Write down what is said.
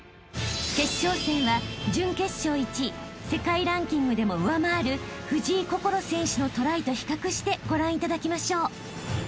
［決勝戦は準決勝１位世界ランキングでも上回る藤井快選手のトライと比較してご覧いただきましょう］